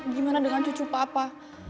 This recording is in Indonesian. gimana dengan cucu papa